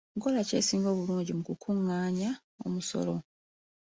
Nkola ki esinga obulungi mu ku kungaanya omusolo?